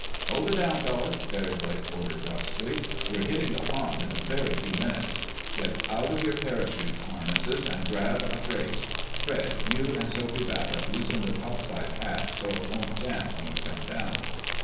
"Hold it down, fellows!" Barry Blake ordered brusquely. "We're hitting the pond in a very few minutes. Get out of your parachute harness, and grab a brace. Fred, you and Soapy Babbitt loosen the topside hatch so it won't jam when we come down.